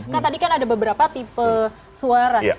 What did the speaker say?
kan tadi kan ada beberapa tipe suara